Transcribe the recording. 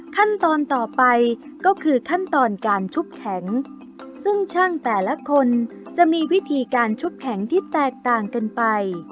ขั้นตอนต่อไปก็คือขั้นตอนการชุบแข็งซึ่งช่างแต่ละคนจะมีวิธีการชุบแข็งที่แตกต่างกันไป